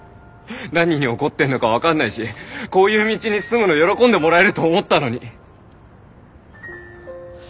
何に怒ってんのか分かんないしこういう道に進むの喜んでもらえると思ったのに。